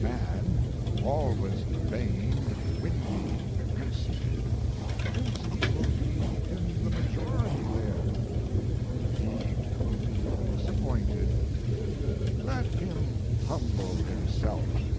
Man always vain, windy, conceited thinks he will be in the majority there. He will be disappointed. Let him humble himself.